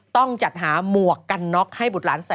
ต้องจัดหาหมวกกันน็อกให้บุตรหลานใส่